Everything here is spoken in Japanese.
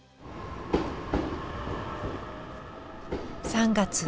３月。